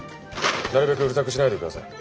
なるべくうるさくしないで下さい。